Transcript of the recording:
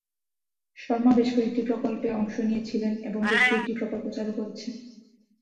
শর্মা বেশ কয়েকটি প্রকল্পে অংশ নিয়ে ছিলেন এবং বেশ কয়েকটি প্রকল্প চালু করেছেন।